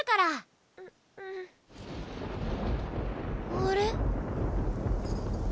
あれ？